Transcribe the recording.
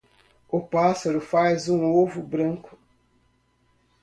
O passaro faz um ovo branco.